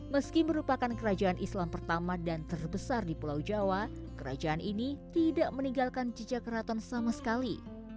meski merupakan kerajaan islam pertama dan terbesar di pulau jawa kerajaan ini tidak meninggalkan jejak keraton sama sekali